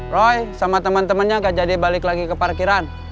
roy sama teman temannya gak jadi balik lagi ke parkiran